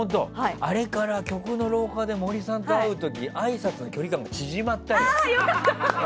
あれから局の廊下で森さんと会うときあいさつの距離感が縮まったんだよね。